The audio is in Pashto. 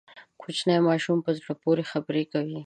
کوچنی ماشوم په زړه پورې خبرې کوي.